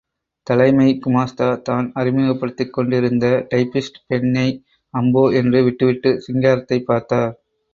தலைமை குமாஸ்தா, தான் அறிமுகப்படுத்திக் கொண்டிந்த டைப்பிஸ்ட் பெண்ணை, அம்போ என்று விட்டுவிட்டு, சிங்காரத்தைப் பார்த்தார்.